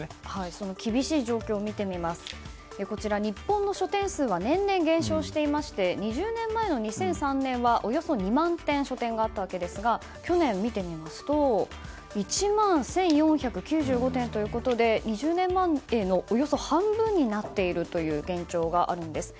その厳しい状況を見てみますと日本の書店数は年々、減少していて２０年前の２００３年はおよそ２万店書店があったわけですが去年を見てみますと１万１４９５店ということで２０年前のおよそ半分になっているという現状があるんです。